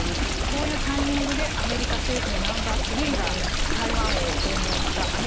こういうタイミングでアメリカ政府のナンバースリーが台湾を訪問した。